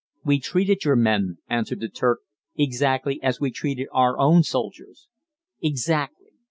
"We treated your men," answered the Turk, "exactly as we treated our own soldiers." Exactly!